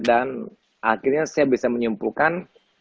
dan akhirnya saya bisa menyimpulkan